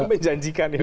itu menjanjikan ya